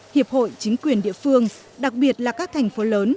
hiệp hội chính quyền địa phương đặc biệt là các thành phố lớn